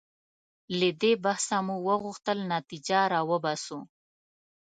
له دې بحثه مو غوښتل نتیجه راوباسو.